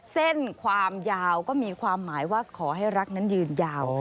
เส้นความยาวก็มีความหมายว่าขอให้รักนั้นยืนยาว